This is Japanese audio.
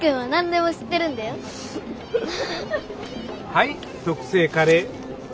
はい特製カレー。